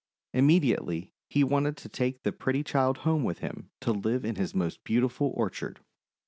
Immediately he wanted to take the pretty child home with him to live in his most beautiful orchard.